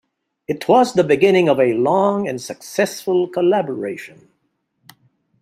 It was the beginning of a long and successful collaboration.